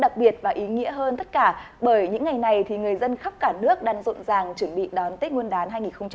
đặc biệt và ý nghĩa hơn tất cả bởi những ngày này thì người dân khắp cả nước đang rộn ràng chuẩn bị đón tết nguyên đán hai nghìn hai mươi